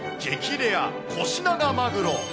レア、コシナガマグロ。